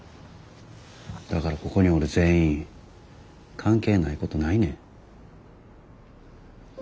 だからここにおる全員関係ないことないねん。